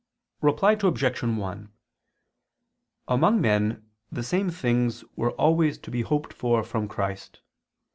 Reply Obj. 1: Among men the same things were always to be hoped for from Christ.